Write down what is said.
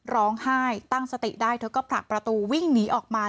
ร้องไห้ตั้งสติได้เธอก็ผลักประตูวิ่งหนีออกมา